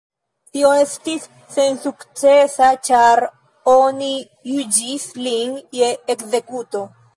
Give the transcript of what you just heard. Tio estis sensukcesa, ĉar oni juĝis lin je ekzekuto.